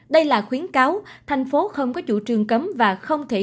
đây là khuyến cáo thành phố không có chủ trương cấm và không thể